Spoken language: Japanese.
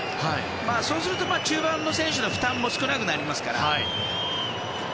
そうすると中盤の選手の負担も少なくなりますから。